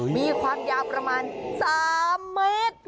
มีความยาวประมาณ๓เมตร